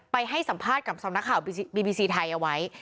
ให้สัมภาษณ์กับสำนักข่าวบีบีซีไทยเอาไว้